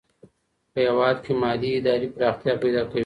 په هېواد کي مالي ادارې پراختيا پيدا کوي.